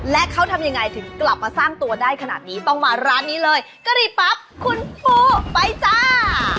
และเขาทำยังไงถึงกลับมาสร้างตัวได้ขนาดนี้ต้องมาร้านนี้เลยกะหรี่ปั๊บคุณปูไปจ้า